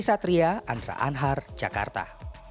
saya andra anhar jakarta